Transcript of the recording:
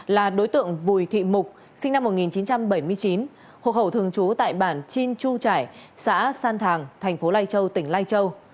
là đối tượng vùi thị mục sinh năm một nghìn chín trăm bảy mươi chín hộ khẩu thường trú tại bản chin chu trải xã san thàng thành phố lai châu tỉnh lai châu